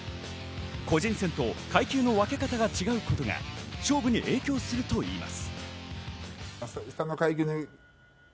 個人戦と階級の分け方が違うことが勝利に影響するといいます。